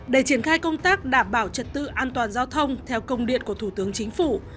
để triển khai công tác đảm bảo trật tự an toàn giao thông theo công điện của thủ tướng chính phủ